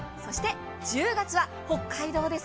１０月は北海道です。